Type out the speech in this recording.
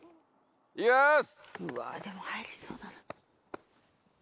いきます！